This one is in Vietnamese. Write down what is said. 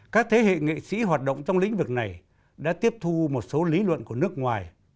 các thế hệ nghệ sĩ hoạt động trong lĩnh vực này đã tiếp thu một số lý luận của nước ngoài